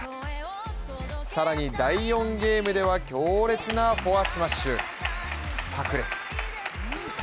更に第４ゲームでは、強烈なフォアスマッシュさく裂。